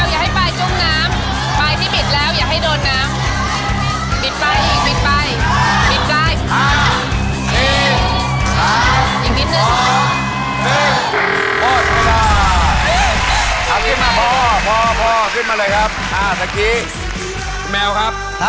อย่าให้ปลายมันจุ้มน้ำนะ